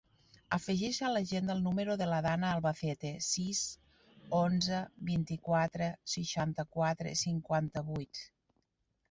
Afegeix a l'agenda el número de la Danna Albacete: sis, onze, vint-i-quatre, seixanta-quatre, cinquanta-vuit.